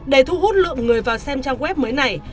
để thu hút lượng người vào xem trang web mới này